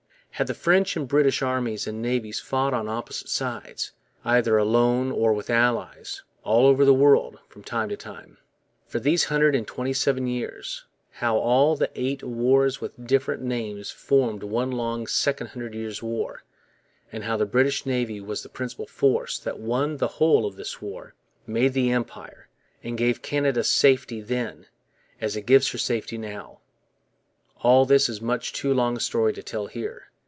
How the French and British armies and navies fought on opposite sides, either alone or with allies, all over the world, from time to time, for these hundred and twenty seven years; how all the eight wars with different names formed one long Second Hundred Years' War; and how the British Navy was the principal force that won the whole of this war, made the Empire, and gave Canada safety then, as it gives her safety now all this is much too long a story to tell here.